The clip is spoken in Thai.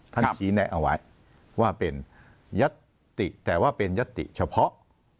ชี้แนะเอาไว้ว่าเป็นยัตติแต่ว่าเป็นยัตติเฉพาะ